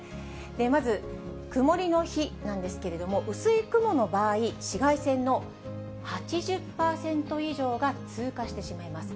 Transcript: まず、曇りの日なんですけれども、薄い雲の場合、紫外線の８０％以上が通過してしまいます。